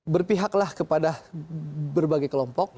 berpihaklah kepada berbagai kelompok